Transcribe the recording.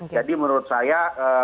jadi menurut saya